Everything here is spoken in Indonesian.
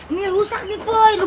emak ini rusak nih poh